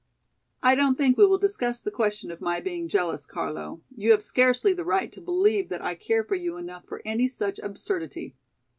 "I don't think we will discuss the question of my being jealous, Carlo, you have scarcely the right to believe that I care for you enough for any such absurdity.